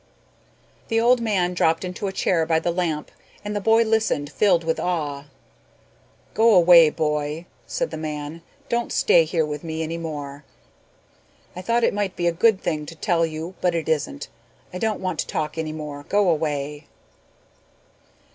The old man dropped into a chair by the lamp and the boy listened, filled with awe. "Go away, boy," said the man. "Don't stay here with me any more. I thought it might be a good thing to tell you but it isn't. I don't want to talk any more. Go away."